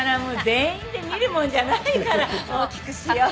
全員で見るもんじゃないから。大きくしよう。